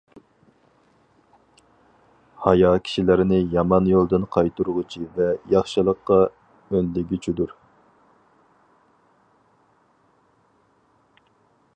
ھايا كىشىلەرنى يامان يولدىن قايتۇرغۇچى ۋە ياخشىلىققا ئۈندىگۈچىدۇر.